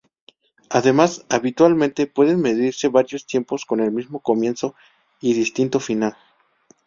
Además, habitualmente, pueden medirse varios tiempos con el mismo comienzo y distinto final.